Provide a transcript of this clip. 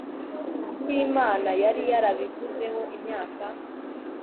icyo imana yari yarabivuzeho imyaka